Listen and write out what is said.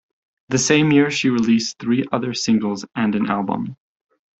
That same year she released three other singles and an album.